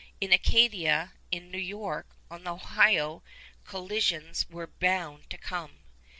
In Acadia, in New York, on the Ohio, collisions were bound to come.